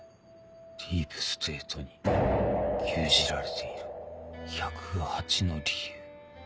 「ディープステートに牛耳られている１０８の理由」。